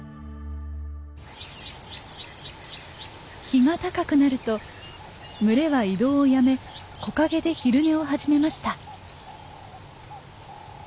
日が高くなると群れは移動をやめ木陰で昼寝を始めました。